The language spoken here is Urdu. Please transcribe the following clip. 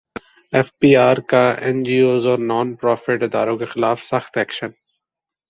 ایف بی رکا این جی اوز اور نان پرافٹ اداروں کیخلاف سخت ایکشن